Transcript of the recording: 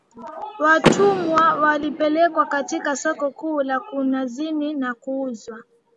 Watumwa walipelekwa katika soko kuu la mkunazini na kuuzwa